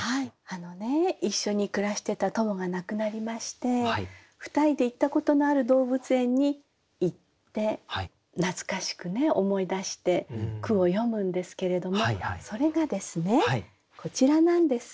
あのね一緒に暮らしてたトモが亡くなりまして２人で行ったことのある動物園に行って懐かしくね思い出して句を詠むんですけれどもそれがですねこちらなんです。